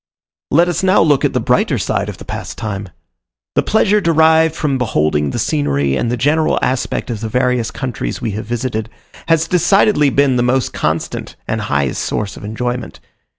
Let us now look at the brighter side of the past time. The pleasure derived from beholding the scenery and the general aspect of the various countries we have visited, has decidedly been the most constant and highest source of enjoyment.